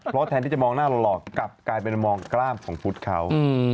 เพราะแทนที่จะมองหน้าหล่อกลับกลายเป็นมองกล้ามของพุทธเขา